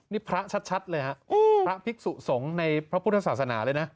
นี่พระชัดเลยฮะพระภิกษุสงฆ์ในพระพุทธศาสนาเลยนะ